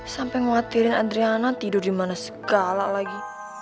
sampai nguatirin adriana tidur dimana segala lagi